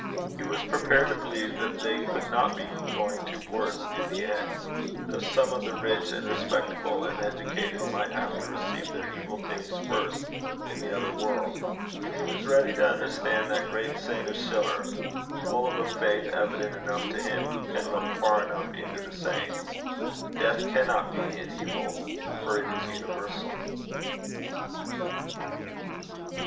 He was prepared to believe that they could not be going to worse in the end, though some of the rich and respectable and educated might have to receive their evil things first in the other world; and he was ready to understand that great saying of Schiller full of a faith evident enough to him who can look far enough into the saying: "Death cannot be an evil, for it is universal."